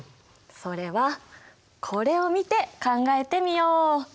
それはこれを見て考えてみよう。